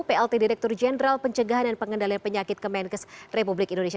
plt direktur jenderal pencegahan dan pengendalian penyakit kemenkes republik indonesia